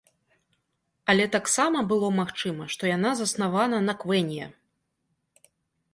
Але таксама было магчыма, што яна заснавана на квэнья.